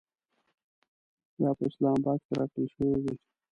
دا په اسلام اباد کې راکړل شوې وې.